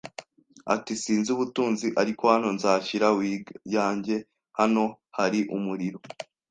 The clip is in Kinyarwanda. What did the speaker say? Ati: "Sinzi ubutunzi, ariko hano nzashyira wig yanjye hano hari umuriro."